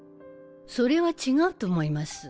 それは違うと思います。